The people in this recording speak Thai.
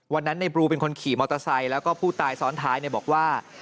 ในบลูเป็นคนขี่มอเตอร์ไซค์แล้วก็ผู้ตายซ้อนท้ายบอกว่า